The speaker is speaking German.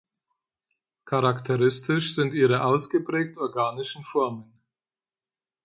Charakteristisch sind ihre ausgeprägt organischen Formen.